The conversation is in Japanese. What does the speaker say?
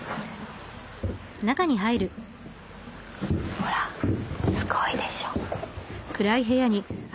ほらすごいでしょ。